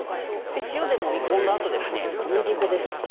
塩でもみ込んだあと小麦粉です。